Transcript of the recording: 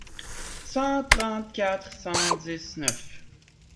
cent trente-quatre cent dix-neuf.